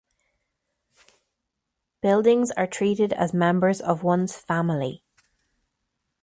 Buildings are treated as members of one’s family.